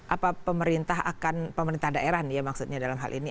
apa pemerintah akan pemerintah daerah maksudnya dalam hal ini